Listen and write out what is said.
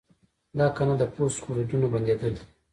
د اکنه د پوست غدودونو بندېدل دي.